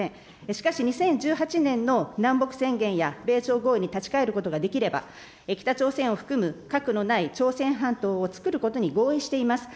しかし、２０１８年の南北宣言や米朝合意に立ち返ることができれば、北朝鮮を含む核のない朝鮮半島をつくることに合意しています。